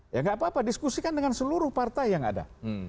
ya nggak apa apa diskusikan dengan seluruh partai yang ada